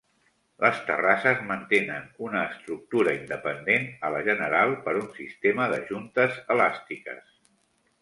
Les terrasses mantenen una estructura independent a la general per un sistema de juntes elàstiques.